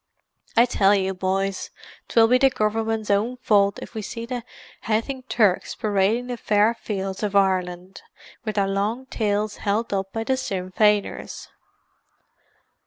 I tell you, boys, 'twill be the Gov'mint's own fault if we see the haythin Turks parading the fair fields of Ireland, with their long tails held up by the Sinn Feiners!"